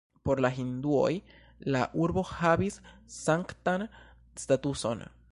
Por la hinduoj la urbo havis sanktan statuson.